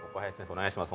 お願いします。